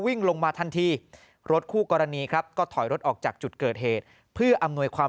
วิ่งลงมาทันทีรถคู่กรณีครับก็ถอยรถออกจากจุดเกิดเหตุเพื่ออำนวยความ